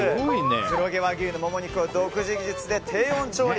黒毛和牛のモモ肉を独自技術で低温調理。